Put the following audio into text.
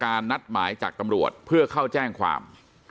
กำลังรองัดนัดหมายจากกำรวจเพื่อเข้าแจ้งความ